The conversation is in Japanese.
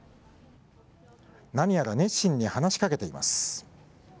何やら熱心に話しかけています。